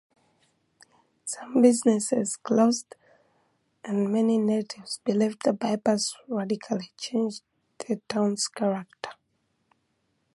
Some businesses closed, and many natives believed the bypass radically changed the town's character.